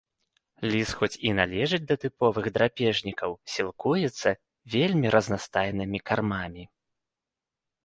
Ліс, хоць і належыць да тыповых драпежнікаў, сілкуецца вельмі разнастайнымі кармамі.